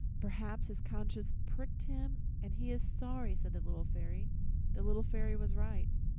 "Perhaps his conscience pricked him and he is sorry," said the Little Fairy. The Little Fairy was right.